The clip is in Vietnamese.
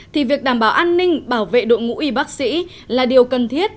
thì việc đảm bảo an ninh bảo vệ đội ngũ y bác sĩ là điều cần thiết